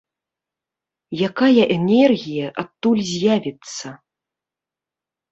Якая энергія адтуль з'явіцца?